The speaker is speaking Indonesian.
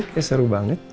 kayak seru banget